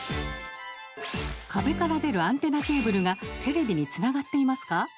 壁から出るアンテナケーブルがテレビにつながっていますか？